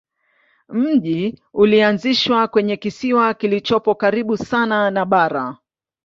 Mji ulianzishwa kwenye kisiwa kilichopo karibu sana na bara.